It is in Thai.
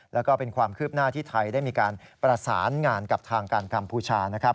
แล้วก็เป็นความคืบหน้าที่ไทยได้มีการประสานงานกับทางการกัมพูชานะครับ